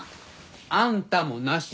「あんた」もなしっす。